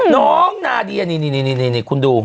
น้องนาเดียนี่คุณดู